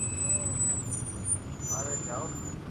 ھون ڀارآ جاُو